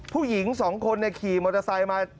ผู้หญิง๒คนขี่มอเตอร์ไซค์มา